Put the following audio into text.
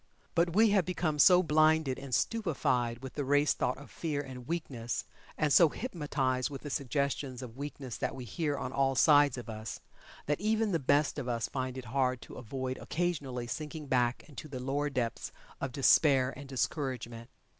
But we have become so blinded and stupefied with the race thought of fear and weakness, and so hypnotized with the suggestions of weakness that we hear on all sides of us, that even the best of us find it hard to avoid occasionally sinking back into the lower depths of despair and discouragement.